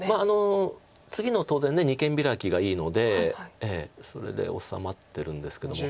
次の当然二間ビラキがいいのでそれで治まってるんですけども。